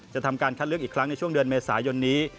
จะทำการคัดเลือกอีกครั้งในช่วงเดือนเมษายนนี้